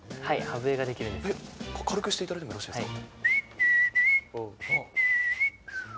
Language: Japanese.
軽くしていただいてもよろしいですか？